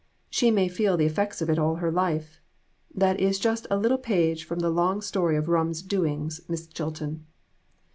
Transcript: She may feel the effects of it all her life. That is just a little page from the long story of rum's doings, Miss Chilton."